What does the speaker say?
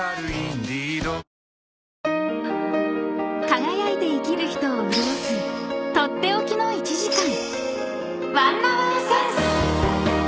［輝いて生きる人を潤す取って置きの１時間］